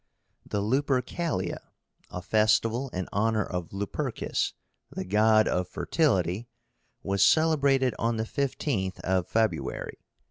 The LUPERCALIA; a festival in honor of Lupercus, the god of fertility, was celebrated on the 15th of February.